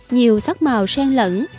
nhiều sắc màu sen lẫn